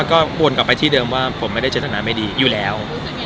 ก็วนกลับไปที่เดิมว่าผมไม่ได้เจตนาไม่ดีอยู่แล้ว